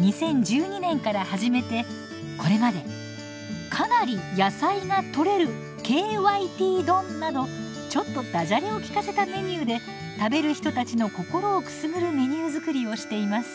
２０１２年から始めてこれまでかなりやさいがとれるＫＹＴ丼などちょっとダジャレを効かせたメニューで食べる人たちの心をくすぐるメニュー作りをしています。